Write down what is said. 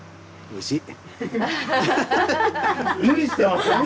おいしい？